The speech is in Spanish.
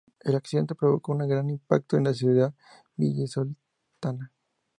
El accidente provocó un gran impacto en la sociedad vallisoletana.